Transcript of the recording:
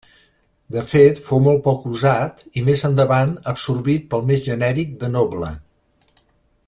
De fet fou molt poc usat i més endavant absorbit pel més genèric de noble.